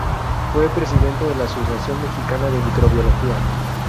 Fue presidente de la Asociación Mexicana de Microbiología.